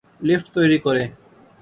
Lift তৈরি করে।